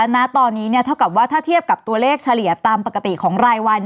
น่าตอนนี้เนี่ยเท่ากับว่าถ้าเทียบกับตัวเลขเฉลี่ยตามปกติของรายวันใช่ไหมคะ